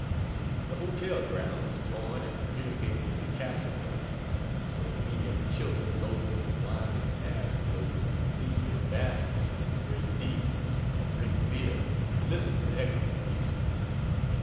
The hotel grounds join and communicate with the Castle grounds; so we and the children loaf in the winding paths of those leafy vastnesses a great deal, and drink beer and listen to excellent music.